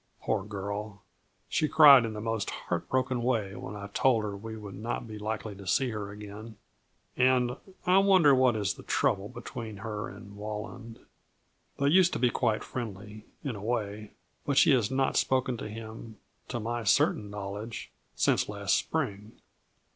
Poor girl, she cried in the most heartbroken way when I told her we would not be likely to see her again, and I wonder what is the trouble between her and Walland? They used to be quite friendly, in a way, but she has not spoken to him, to my certain knowledge, since last spring.